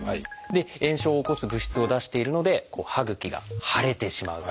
炎症を起こす物質を出しているので歯ぐきが腫れてしまう。